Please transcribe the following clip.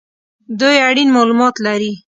دوی اړین مالومات لري